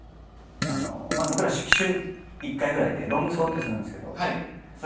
僕ら週１回ぐらいで「ロング走」ってするんですけど。